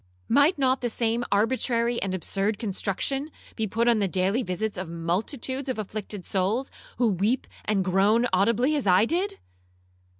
Might not the same arbitrary and absurd construction be put on the daily visits of multitudes of afflicted souls, who weep and groan audibly as I did?